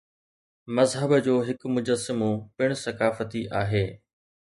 مذهب جو هڪ مجسمو پڻ ثقافتي آهي.